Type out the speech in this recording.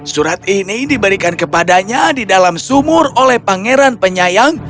surat ini diberikan kepadanya di dalam sumur oleh pangeran penyayang